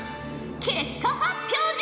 結果発表じゃ！